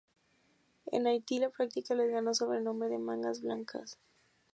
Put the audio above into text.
En Haití, la práctica les ganó el sobrenombre de "mangas blancas".